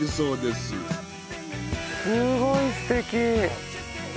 すごいすてき。